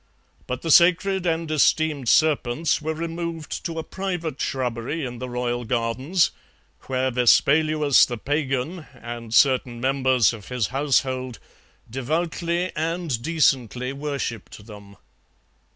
But the sacred and esteemed serpents were removed to a private shrubbery in the royal gardens, where Vespaluus the Pagan and certain members of his household devoutly and decently worshipped them.